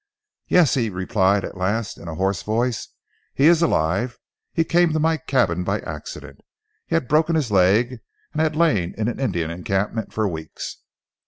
"Yes," he replied, at last, in a hoarse voice. "He is alive! He came to my cabin by accident. He had broken his leg, and had lain in an Indian encampment for weeks.